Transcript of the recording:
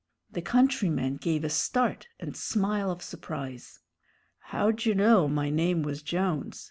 The countryman gave a start and smile of surprise. "How d'dyou know my name was Jones?"